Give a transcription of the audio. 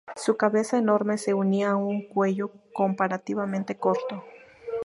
Su cabeza enorme se unía a un cuello comparativamente corto.